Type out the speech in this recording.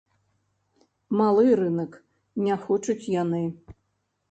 Малы рынак, не хочуць яны.